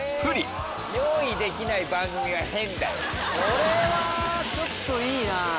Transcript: これはちょっといいな！